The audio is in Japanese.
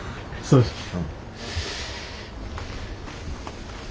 そうですか。